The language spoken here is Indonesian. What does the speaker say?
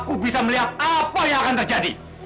aku bisa melihat apa yang akan terjadi